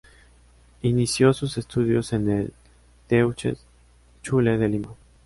Inició sus estudios en el "Deutsche Schule" de Lima.